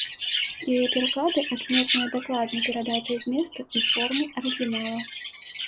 Яе пераклады адметныя дакладнай перадачай зместу і формы арыгінала.